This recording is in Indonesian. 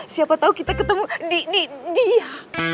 siapa tau kita ketemu di di dia